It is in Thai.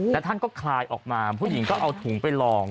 แล้วท่านก็คลายออกมาผู้หญิงก็เอาถุงไปลอง